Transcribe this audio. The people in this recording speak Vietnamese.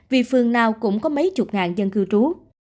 vì phường nào cũng có mấy chục ngàn dân cư trú